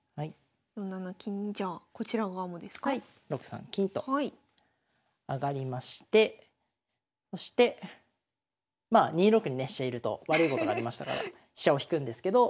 ６三金と上がりましてそしてまあ２六にね飛車居ると悪いことがありましたから飛車を引くんですけど。